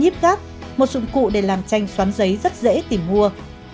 ít gác một dụng cụ để làm tranh xoắn giấy rất dễ tìm mua